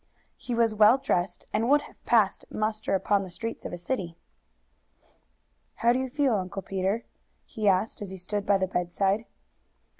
He was well dressed, and would have passed muster upon the streets of a city. "How do you feel, Uncle Peter?" he asked as he stood by the bedside.